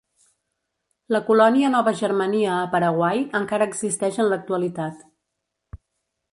La colònia Nova Germania a Paraguai encara existeix en l'actualitat.